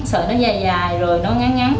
sợi nó dài dài rồi nó ngắn ngắn